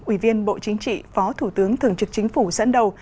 ủy viên bộ chính trị phó thủ tướng thường trực chính phủ dẫn đầu